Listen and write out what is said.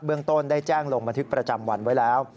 ต้นได้แจ้งลงบันทึกประจำวันไว้แล้ว